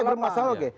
oke bermasalah oke